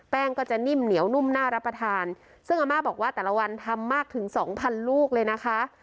ก็จะนิ่มเหนียวนุ่มน่ารับประทานซึ่งอาม่าบอกว่าแต่ละวันทำมากถึงสองพันลูกเลยนะคะ